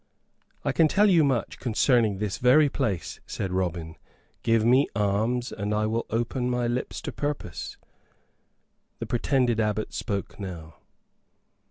"I can tell you much concerning this very place," said Robin. "Give me alms, and I will open my lips to purpose." The pretended abbot spoke now.